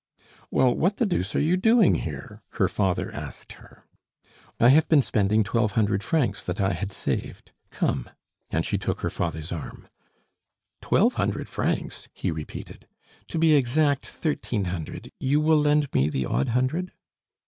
"Well, what the deuce are you doing here?" her father asked her. "I have been spending twelve hundred francs that I had saved. Come." And she took her father's arm. "Twelve hundred francs?" he repeated. "To be exact, thirteen hundred; you will lend me the odd hundred?"